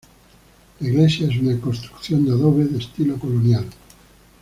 La iglesia es una construcción de adobe de estilo colonial.